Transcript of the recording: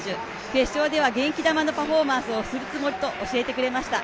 決勝では元気玉のパフォーマンスをするつもりと教えてくれました。